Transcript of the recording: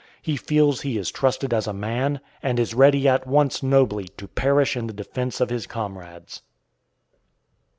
He feels he is trusted as a man, and is ready at once nobly to perish in the defense of his comrades.